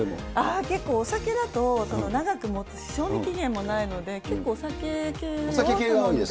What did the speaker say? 結構、お酒だと長くもつし賞味期限もないので、結構お酒系を頼んで。